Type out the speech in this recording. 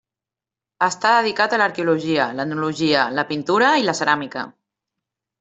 Està dedicat a l'arqueologia, l'etnologia, la pintura i la ceràmica.